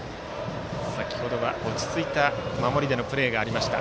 先程は落ち着いた守りでのプレーがありました。